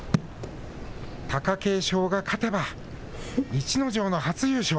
貴景勝が勝てば逸ノ城の初優勝。